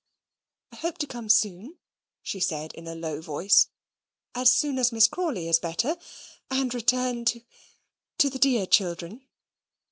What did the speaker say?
"I hope to come soon," she said in a low voice, "as soon as Miss Crawley is better and return to to the dear children."